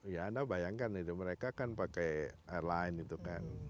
ya anda bayangkan itu mereka kan pakai airline itu kan